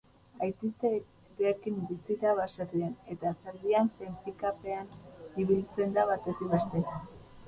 Aititerekin bizi da baserrian, eta zaldian zein pick-up-ean ibiltzen da batetik bestera.